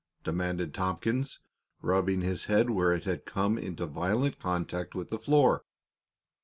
demanded Tompkins, rubbing his head where it had come into violent contact with the floor.